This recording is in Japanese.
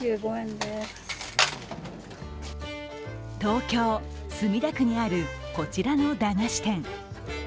東京・墨田区にあるこちらの駄菓子店。